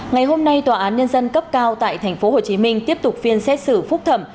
ngày hôm nay tòa án nhân dân cấp cao tại tp hcm tiếp tục phiên xét xử phúc thẩm